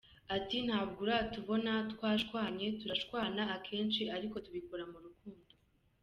Ati “ Ntabwo uratubona twashanye! Turashwana akenshi ariko tubikora mu rukundo.